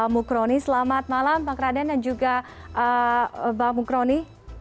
mukroni selamat malam pak raden dan juga bang mukroni